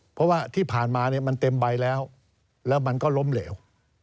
เพราะว่าที่ผ่านมาเนี่ยมันเต็มใบแล้วแล้วมันก็ล้มเหลว